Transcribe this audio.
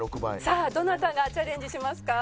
さあどなたがチャレンジしますか？